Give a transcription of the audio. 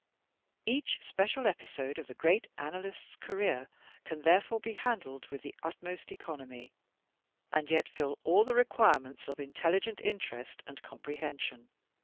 Each special episode of the great analyst's career can therefore be handled with the utmost economy, and yet fill all the requirements of intel ligent interest and comprehension.